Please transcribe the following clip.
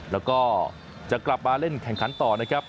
แล้วก็จะกลับมาเล่นแข่งขันต่อนะครับ